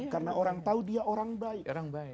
karena orang tahu dia orang baik